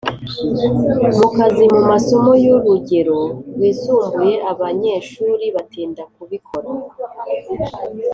mu kazi Mu masomo y urugero rwisumbuye abanyeshuri batinda kubikora